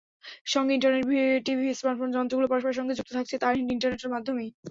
সঙ্গে internet TV, smart home যন্ত্রগুলো পরস্পরের সঙ্গে যুক্ত থাকছে তারহীন ইন্টারনেটের মাধ্যমেই।